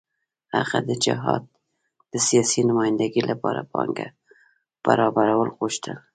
هغه د جهاد د سیاسي نمايندګۍ لپاره پانګه برابرول غوښتل.